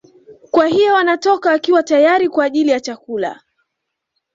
Kwa hiyo wanatoka wakiwa tayari kwa ajili ya chakula